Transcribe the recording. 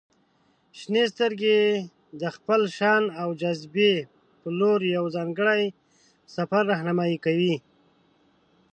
• شنې سترګې د خپل شان او جاذبې په لور یو ځانګړی سفر رهنمائي کوي.